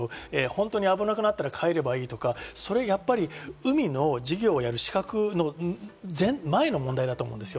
本当に危なくなったら帰ればいいとか、それは海の事業をやる資格の前の問題だと思うんです。